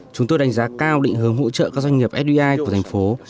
chúng tôi đánh giá cao định hướng hỗ trợ các doanh nghiệp fdi của thành phố